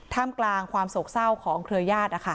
ท่ามกลางความโสกเศร้าของเครือยาธิ์นะคะ